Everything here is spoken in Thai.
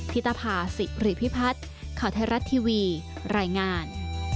พิทธาภาศิหรือพิพัฒน์เข้าไทยรัฐทีวีรายงาน